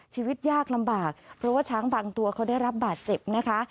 ชีวิตยากลำบากเพราะว่าช้างบางตัวเขาได้รับบาดเจ็บนะคะ